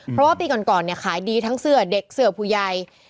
เพราะว่าปีก่อนเนี่ยขายดีทั้งเสื้อเด็กเสื้อผู้ใหญ่